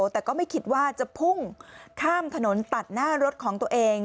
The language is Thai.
แต่ก็ไม่คิดว่าจะพุ่งข้ามถนนตัดหน้ารถของตัวเอง